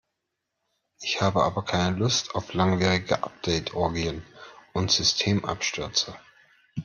Ich habe aber keine Lust auf langwierige Update-Orgien und Systemabstürze.